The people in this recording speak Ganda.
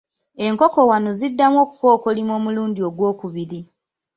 Enkoko wano ziddamu okukookolima omulundi ogw'okubiri.